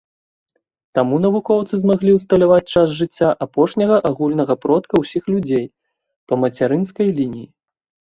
Таму навукоўцы змаглі ўсталяваць час жыцця апошняга агульнага продка ўсіх людзей па мацярынскай лініі.